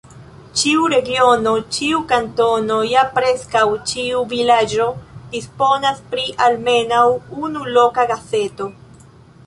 Ĉiu regiono, ĉiu kantono ja preskaŭ ĉiu vilaĝo disponas pri almenaŭ unu loka gazeto.